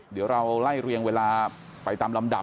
เดี๋ยวเราไล่เรียงเวลาไปตามลำดับ